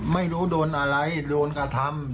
ไม่รู้โดนอะไรโดนกระทำ